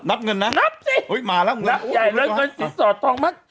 นับสินับใหญ่เลยกันสิทธิสดทองมัน